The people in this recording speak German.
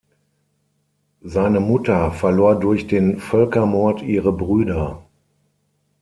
Seine Mutter verlor durch den Völkermord ihre Brüder.